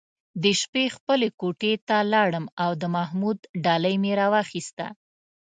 د شپې خپلې کوټې ته لاړم او د محمود ډالۍ مې راوویسته.